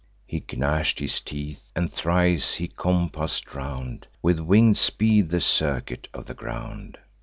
He gnash'd his teeth; and thrice he compass'd round With winged speed the circuit of the ground.